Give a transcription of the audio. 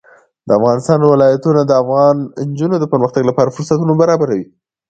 د افغانستان ولايتونه د افغان نجونو د پرمختګ لپاره فرصتونه برابروي.